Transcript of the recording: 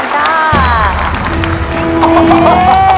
เชิญค่ะ